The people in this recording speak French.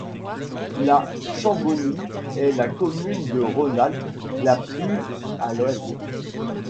La Chambonie est la commune de Rhône-Alpes la plus à l'ouest.